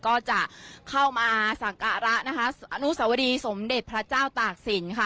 ก็จะเข้ามาสักการะนะคะอนุสวรีสมเด็จพระเจ้าตากศิลป์ค่ะ